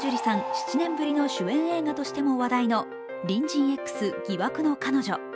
７年ぶりの主演映画としても話題の「隣人Ｘ−疑惑の彼女−」。